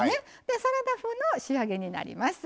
でサラダ風の仕上げになります。